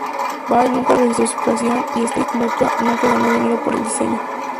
Ball nunca registró su creación, y State Mutual nunca ganó dinero por el diseño.